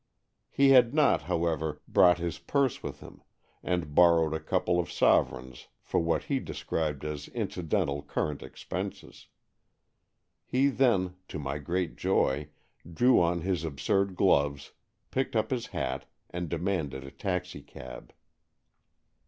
He had not, however, brought his purse with him, and borrowed a couple of sovereigns for what he described as inci dental current expenses. He then, to my great joy, drew on his absurd gloves, picked up his hat, and demanded a taxicab.